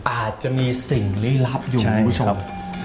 อาจจะมีสิ่งลิรับอยู่ใช่ครับ